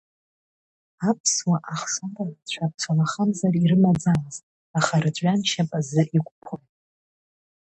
Аԥсуа ахшара рацәа шамахамзар ирымаӡамызт, аха рыҵәҩаншьап азы иқәԥон.